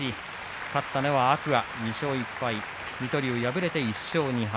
勝ったのは天空海２勝１敗、水戸龍敗れて１勝２敗。